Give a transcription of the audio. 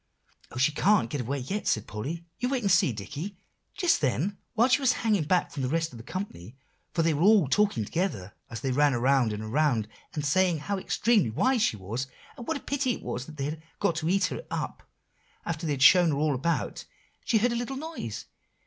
"Oh, she can't get away yet!" said Polly. "You wait and see, Dicky. Just then, while she was hanging back from the rest of the company, for they were all talking together, as they ran around and around, and saying how extremely wise she was, and what a pity it was that they had got to eat her up, after they had shown her all about, she heard a little noise.